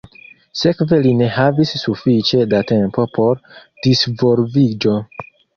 Sekve li ne havis sufiĉe da tempo por disvolviĝo.